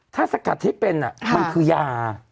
ถ้าสกัดให้เป็นมันคือยา